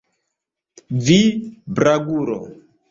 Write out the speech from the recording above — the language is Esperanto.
Vi, blagulo!